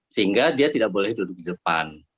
sehingga dia tidak boleh duduk di depan